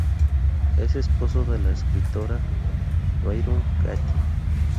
Es esposo de la escritora Byron Katie.